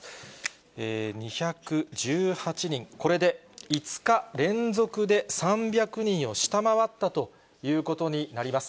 これで５日連続で３００人を下回ったということになります。